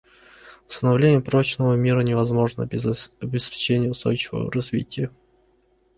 Установление прочного мира невозможно без обеспечения устойчивого развития.